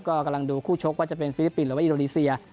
ก็กำลังดูคู่ชกว่าจะเป็นฟิลิปปินสหรือว่าอินโดนีเซีย